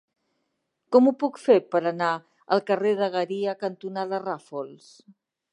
Com ho puc fer per anar al carrer Dagueria cantonada Ràfols?